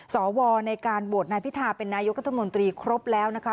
สวในการโหวตนายพิธาเป็นนายกรัฐมนตรีครบแล้วนะคะ